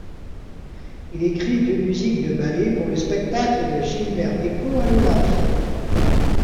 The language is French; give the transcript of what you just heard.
Il écrit deux musiques de ballets pour le spectacle de Gilbert Bécaud à l'Olympia.